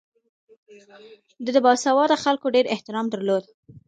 ده د باسواده خلکو ډېر احترام درلود.